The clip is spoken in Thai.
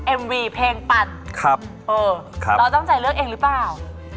เอ็มวีรูปเพลงปัดเราต้องจ่ายเลือกเองมั้ยหรือเปล่า